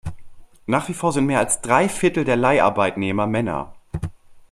Nach wie vor sind mehr als drei Viertel der Leiharbeitnehmer Männer.